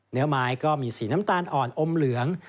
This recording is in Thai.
เนื้อไม้ก็มีสีน้ำตาลอ่อนอมเหลือง